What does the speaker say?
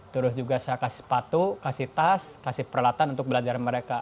terus juga saya kasih sepatu kasih tas kasih peralatan untuk belajar mereka